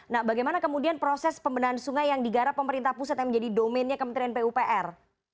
nah bagaimana kemudian proses pembenahan sungai yang digarap pemerintah pusat yang menjadi domennya kementerian pupr